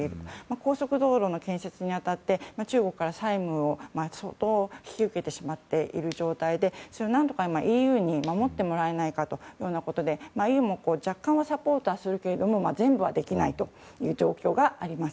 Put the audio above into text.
高速道路の建設に当たって中国から債務を引き受けてしまっている状態で何とかＥＵに守ってもらえないかということでＥＵも若干のサポートはするけれども全部はできないという状況があります。